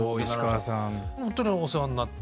ほんとにお世話になって。